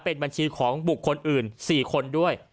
เป็นบัญชีของบุคคลอื่น๔คนด้วย